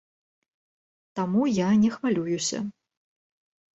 Таму я не хвалююся.